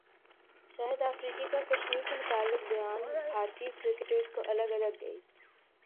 شاہد افریدی کا کشمیر سے متعلق بیانبھارتی کرکٹرز کو اگ لگ گئی